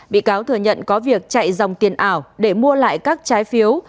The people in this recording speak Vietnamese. bị cáo thừa nhận có việc chạy dòng tiền ảo để mua lại các trái phiếu